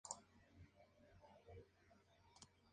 Se nutre de varios nacimientos de aguas cristalinas en su recorrido.